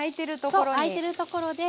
そうですあいてるところで。